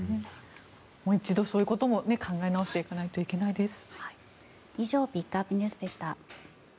もう一度、そういうことも考え直していかないといけないです。